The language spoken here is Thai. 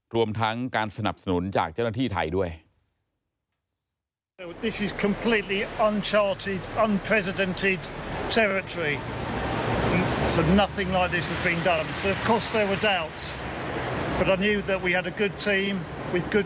รวมทั้งการสนับสนุนจากเจ้าหน้าที่ไทยด้วย